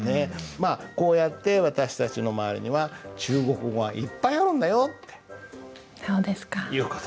まあこうやって私たちの周りには中国語がいっぱいあるんだよっていう事です。